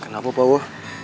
kenapa pak wo